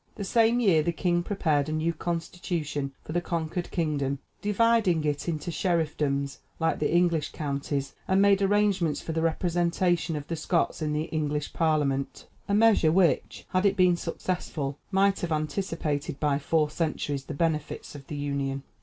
The same year the king prepared a new constitution for the conquered kingdom, divided it into sheriffdoms like the English counties, and made arrangements for the representation of the Scots in the English parliament a measure which, had it been successful, might have anticipated by four centuries the benefits of the union.